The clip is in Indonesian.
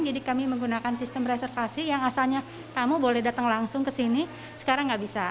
jadi kami menggunakan sistem reservasi yang asalnya kamu boleh datang langsung ke sini sekarang nggak bisa